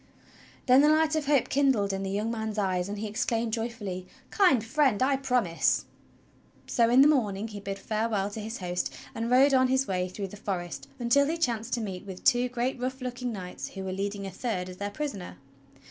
Then the light of hope kindled in the young man's eyes, and he exclaimed joyfully: "Kind Friend, I promise!" So in the morning he bid farewell to his host and rode on his way through the forest until he chanced to meet with two great, rough looking knights who were leading a third as their prisoner.